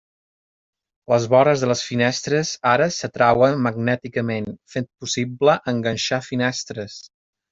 Les vores de les finestres ara s'atrauen magnèticament, fent possible “enganxar” finestres.